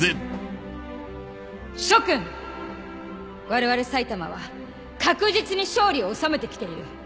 われわれ埼玉は確実に勝利を収めてきている。